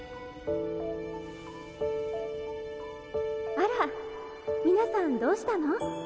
あら皆さんどうしたの？